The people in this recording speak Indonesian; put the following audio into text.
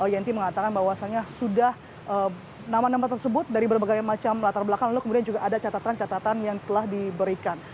yanti mengatakan bahwasannya sudah nama nama tersebut dari berbagai macam latar belakang lalu kemudian juga ada catatan catatan yang telah diberikan